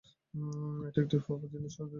এটি একটি ফাঁপা জিন সদৃশ আসন নিয়ে গঠিত।